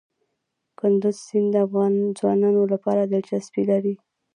کندز سیند د افغان ځوانانو لپاره دلچسپي لري.